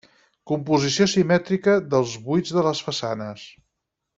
Composició simètrica dels buits de les façanes.